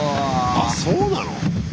あそうなの？